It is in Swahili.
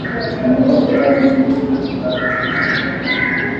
Myoko yake ngulube inaisha yote mu shamba